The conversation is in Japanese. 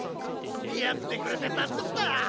付き合ってくれて助かった。